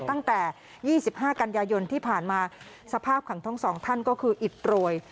ตั้งแต่๒๕กันยายนที่ผ่านมาสภาพของทั้งสองท่านก็คืออิดโรย